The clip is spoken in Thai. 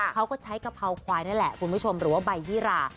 เขาก็ใช้กะเพราควายนั่นแหละคุณผู้ชมหรือว่าใบยี่รา